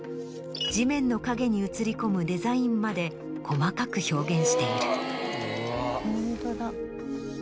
地面の影に映り込むデザインまで細かく表現している。